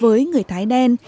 với người thái đen